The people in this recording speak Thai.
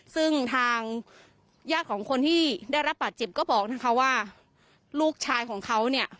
ซึ่งทางญาติของคนที่ได้รับบาดเจ็บก็บอกนะคะว่าลูกชายของเขาเนี่ย